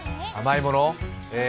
甘いもの？